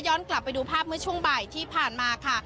กลับไปดูภาพเมื่อช่วงบ่ายที่ผ่านมาค่ะ